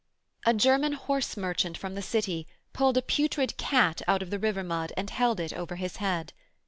A German horse merchant from the City pulled a putrid cat out of the river mud and held it over his head.